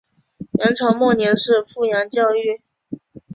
元朝末年是富阳教谕。